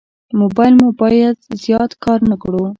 موبایل مو باید زیات کار نه کړو.